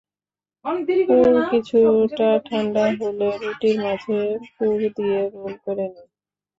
পুর কিছুটা ঠান্ডা হলে, রুটির মাঝে পুর দিয়ে রোল করে নিন।